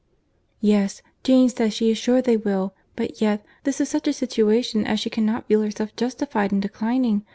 "Yes; Jane says she is sure they will; but yet, this is such a situation as she cannot feel herself justified in declining.